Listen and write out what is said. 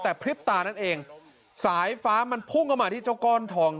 แต่พริบตานั่นเองสายฟ้ามันพุ่งเข้ามาที่เจ้าก้อนทอง